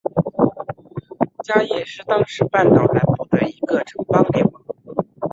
伽倻是当时半岛南部的一个城邦联盟。